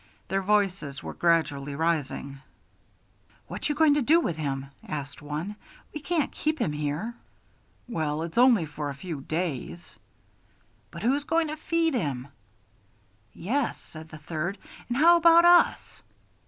Their voices were gradually rising. "What you goin' to do with him?" asked one. "We can't keep him here." "Well, it's only for a few days." "But who's goin' to feed him?" "Yes," said the third, "an' how about us?"